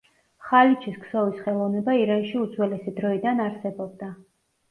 ხალიჩის ქსოვის ხელოვნება ირანში უძველესი დროიდან არსებობდა.